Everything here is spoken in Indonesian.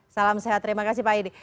salam sehat terima kasih pak edi